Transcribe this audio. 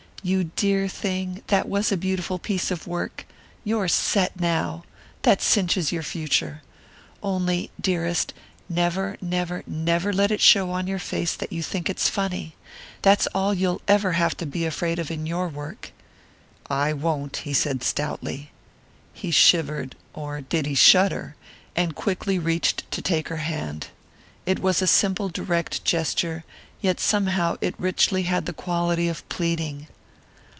"You dear thing, that was a beautiful piece of work. You're set now. That cinches your future. Only, dearest, never, never, never let it show on your face that you think it's funny. That's all you'll ever have to be afraid of in your work." "I won't," he said stoutly. He shivered or did he shudder? and quickly reached to take her hand. It was a simple, direct gesture, yet somehow it richly had the quality of pleading.